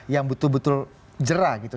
yang betul betul jerah gitu